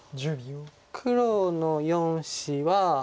黒の４子は。